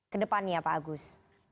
kedepannya pak agus